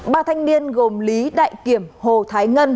ba thanh niên gồm lý đại kiểm hồ thái ngân